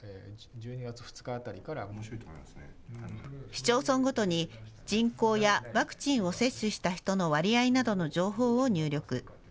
市町村ごとに人口やワクチンを接種した人の割合などの情報を入力。